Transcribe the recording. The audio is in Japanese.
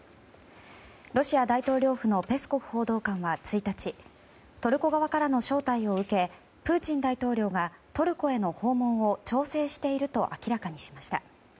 ロシア大統領府のペスコフ報道官は１日トルコ側からの招待を受けプーチン大統領がトルコへの訪問を調整していると明らかにしました。